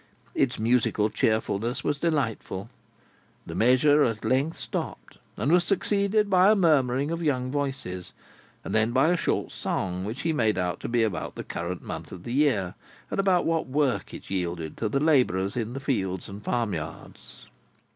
Its musical cheerfulness was delightful. The measure at length stopped, and was succeeded by a murmuring of young voices, and then by a short song which he made out to be about the current month of the year, and about what work it yielded to the labourers in the fields and farm yards.